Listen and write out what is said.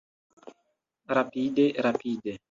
Rapide. Rapide.